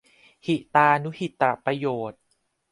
หิตานุหิตประโยชน์